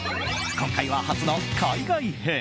今回は初の海外編。